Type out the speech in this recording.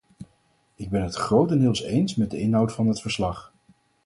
Ik ben het grotendeels eens met de inhoud van het verslag.